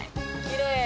きれい！